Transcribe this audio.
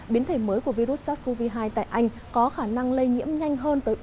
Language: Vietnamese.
biến thể mới của virus sars cov hai tại anh có khả năng lây nhiễm nhanh hơn tới ba mươi